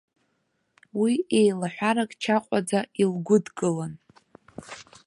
Уи еилаҳәарак чаҟәаӡа илгәыдкылан.